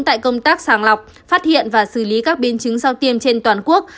tại công tác sàng lọc phát hiện và xử lý các biến chứng sau tiêm trên toàn quốc